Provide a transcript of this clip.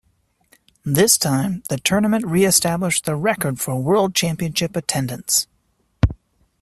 This time, the tournament re-established the record for World Championship attendance.